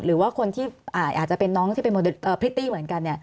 หรือว่าคนที่อาจจะเป็นน้องที่เป็นพริตตี้เหมือนกัน